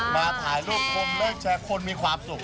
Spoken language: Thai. มาถ่ายรูปชมเลขแชร์คนมีความสุข